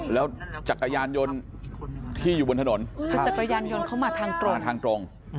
แล้วจักรยานยนต์ที่อยู่บนถนนจักรยานยนต์เข้ามาทางตรง